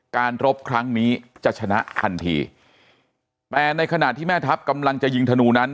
รบครั้งนี้จะชนะทันทีแต่ในขณะที่แม่ทัพกำลังจะยิงธนูนั้น